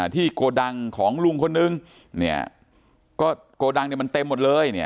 โกดังของลุงคนนึงเนี่ยก็โกดังเนี่ยมันเต็มหมดเลยเนี่ย